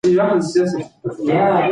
انسان په دې نړۍ کي یوازې یو ځل مري.